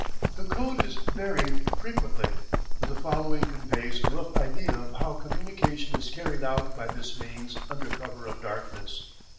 The code is varied frequently, but the following conveys a rough idea of how communication is carried out by this means under cover of darkness.